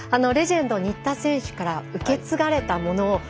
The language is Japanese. レジェンド新田選手から受け継がれたもの